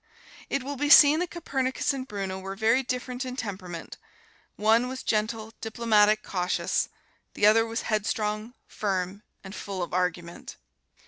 It will be seen that Copernicus and Bruno were very different in temperament: one was gentle, diplomatic, cautious; the other was headstrong, firm and full of argument.